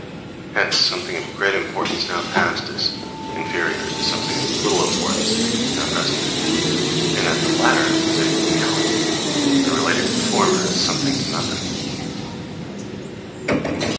Hence something of great importance now past is inferior to something of little importance now present, in that the latter is a reality, and related to the former as something to nothing.